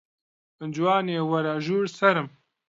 جوانێ وەرە ژوور سەرم